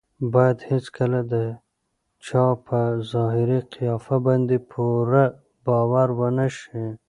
باید هېڅکله د چا په ظاهري قیافه باندې پوره باور ونه شي.